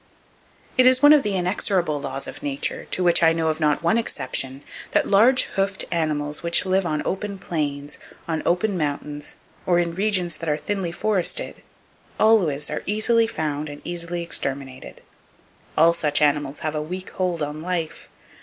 It is one of the inexorable laws of Nature, to which I know of not one exception, that large hoofed animals which live on open plains, on open mountains, or in regions that are thinly forested, always are easily found and easily exterminated. All such animals have a weak hold on life.